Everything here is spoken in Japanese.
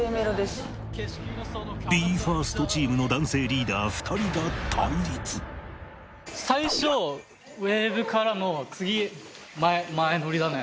ＢＥ：ＦＩＲＳＴチームの男性リーダー２人が最初ウエーブからの次前のりだね。